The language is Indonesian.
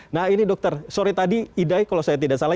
nah ini dokter sorry tadi idai kalau saya tidak salah